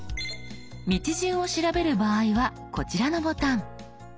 道順を調べる場合はこちらのボタン。